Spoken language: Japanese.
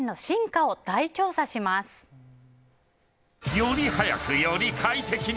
より速く、より快適に！